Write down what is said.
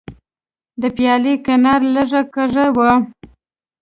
د پیالې کناره لږه کږه وه.